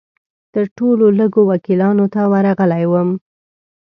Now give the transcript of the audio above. تر ټولو لږو وکیلانو ته ورغلی وم.